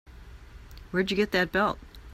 Where'd you get that belt?